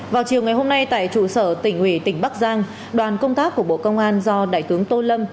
vào chiều ngày hôm nay tại trụ sở tỉnh ủy tỉnh bắc giang đoàn công tác của bộ công an do đại tướng tô lâm